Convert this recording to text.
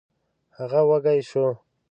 هغه وږی شو.